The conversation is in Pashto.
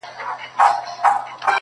د لنډیو ږغ به پورته د باغوان سي!